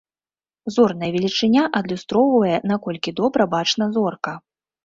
Зорная велічыня адлюстроўвае, наколькі добра бачна зорка.